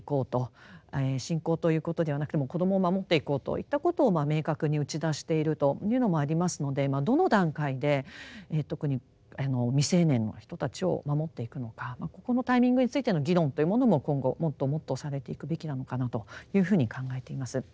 信仰ということではなくてもう子どもを守っていこうといったことを明確に打ち出しているというのもありますのでどの段階で特に未成年の人たちを守っていくのかここのタイミングについての議論というものも今後もっともっとされていくべきなのかなというふうに考えています。